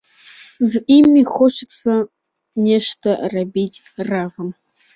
З імі хочацца нешта рабіць разам.